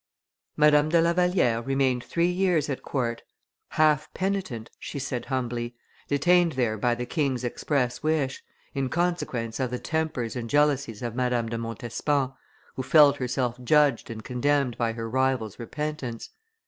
Madame de La Valliere remained three years at court, "half penitent," she said humbly, detained there by the king's express wish, in consequence of the tempers and jealousies of Madame de Montespan, who felt herself judged and condemned by her rival's repentance.